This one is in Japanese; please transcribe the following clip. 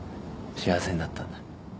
幸せになったんだ。